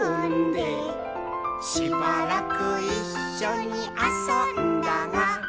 「しばらくいっしょにあそんだが」